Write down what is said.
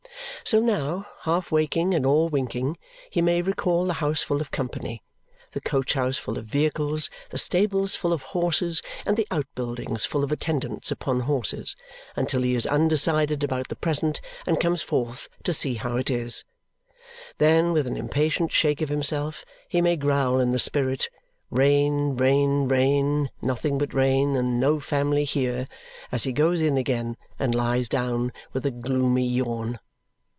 So now, half waking and all winking, he may recall the house full of company, the coach houses full of vehicles, the stables full of horses, and the out buildings full of attendants upon horses, until he is undecided about the present and comes forth to see how it is. Then, with that impatient shake of himself, he may growl in the spirit, "Rain, rain, rain! Nothing but rain and no family here!" as he goes in again and lies down with a gloomy yawn.